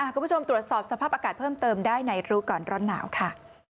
คุณผู้ชมตรวจสอบสภาพอากาศเพิ่มเติมได้ในรู้ก่อนร้อนหนาวค่ะ